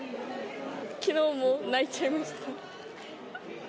きのうも泣いちゃいました。